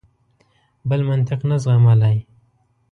بل منطق نه زغملای.